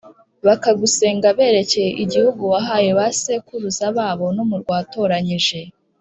bakagusenga berekeye igihugu wahaye ba sekuruza babo n’umurwa watoranyije